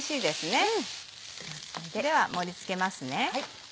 では盛り付けます。